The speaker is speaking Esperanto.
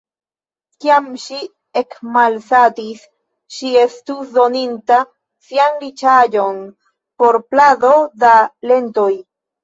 Kiam ŝi ekmalsatis, ŝi estus doninta sian riĉaĵon por plado da lentoj.